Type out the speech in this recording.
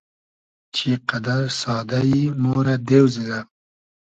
چی قئدئر سادۂ یی ، مۉرۂ دېو زیدۂ